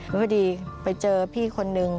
พอดีไปเจอพี่คนนึง